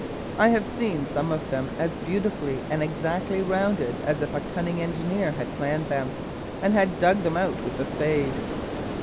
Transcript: I have seen some of them as beautifully and exactly rounded as if a cunning engineer had planned them, and had them dug out with the spade.